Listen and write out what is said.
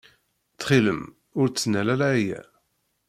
Ttxil-m ur ttnal ara aya.